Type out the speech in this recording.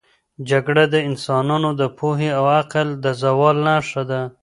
جګړه د انسانانو د پوهې او عقل د زوال نښه ده.